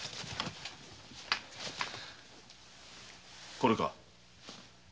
これか？